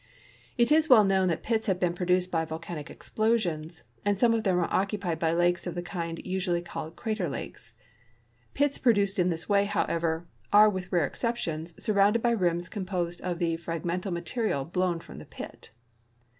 It is well known that pits have been produced by volcanic explosions, and some of them are occupied by lakes of the kind usually called crater lakes. Pits produced in this way, however, are, with rare excei)tions, surrounded by rims composed of the fragmental material l)l()wn from the pit.